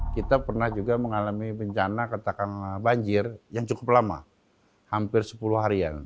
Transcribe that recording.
kita pernah juga mengalami bencana katakanlah banjir yang cukup lama hampir sepuluh harian